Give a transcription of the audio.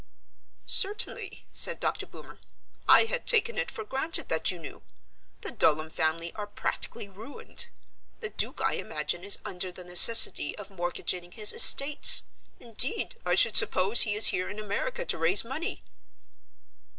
"Certainly," said Dr. Boomer; "I had taken it for granted that you knew. The Dulham family are practically ruined. The Duke, I imagine, is under the necessity of mortgaging his estates; indeed, I should suppose he is here in America to raise money."